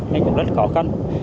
nó cũng rất khó khăn